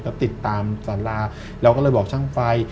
ก็ติดตามสาราเราก็เลยบอกช่างไฟ